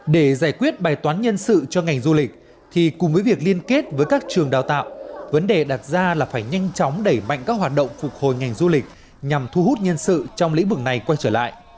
để giải quyết bài toán nhân sự cho ngành du lịch thì cùng với việc liên kết với các trường đào tạo vấn đề đặt ra là phải nhanh chóng đẩy mạnh các hoạt động phục hồi ngành du lịch nhằm thu hút nhân sự trong lĩnh vực này quay trở lại